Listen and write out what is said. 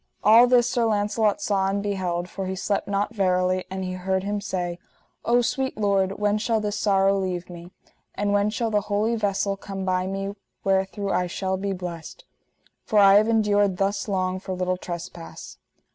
All this Sir Launcelot saw and beheld, for he slept not verily; and he heard him say: O sweet Lord, when shall this sorrow leave me? and when shall the holy vessel come by me, wherethrough I shall be blessed? For I have endured thus long, for little trespass.